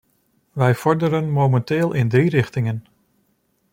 Wij vorderen momenteel in drie richtingen.